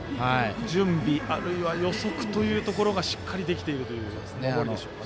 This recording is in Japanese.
準備、あるいは予測というところがしっかりできているというところでしょうか。